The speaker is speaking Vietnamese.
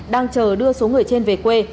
đang chờ đưa số người trên về quê